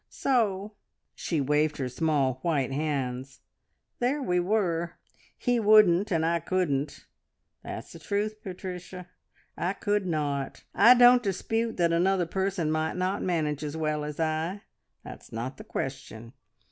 So " she waved her small white hands "there we were! He wouldn't, and I couldn't! That's the truth, Patricia. I could not! I don't dispute that another person might not manage as well as I, that's not the question.